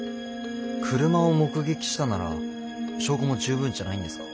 車を目撃したなら証拠も十分じゃないんですか？